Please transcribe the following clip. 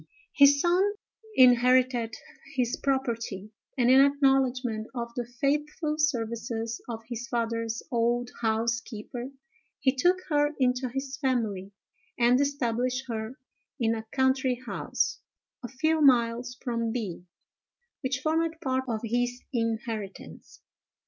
His son inherited his property, and, in acknowledgment of the faithful services of his father's old housekeeper, he took her into his family and established her in a country house, a few miles from B——, which formed part of his inheritance.